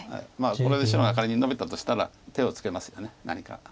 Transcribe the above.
まあこれで白が仮にノビたとしたら手をつけますよね何か。